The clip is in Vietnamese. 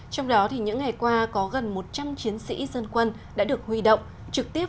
trong đó những ngày qua có gần một trăm linh chiến sĩ dân quân đã được huy động trực tiếp